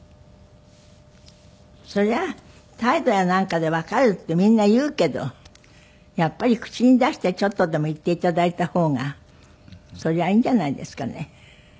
そりゃ態度やなんかでわかるってみんな言うけどやっぱり口に出してちょっとでも言って頂いた方がそりゃいいんじゃないですかね。